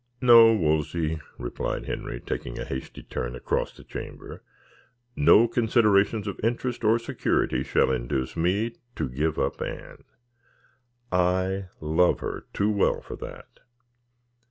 "No, Wolsey," replied Henry, taking a hasty turn across the chamber; "no considerations of interests or security shall induce me to give up Anne. I love her too well for that.